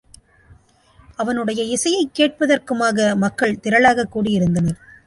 அவனுடைய இசையைக் கேட்பதற்குமாக மக்கள் திரளாகக் கூடியிருந்தனர்.